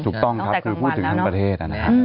ถูกต้องครับคือพูดถึงทั้งประเทศนะครับ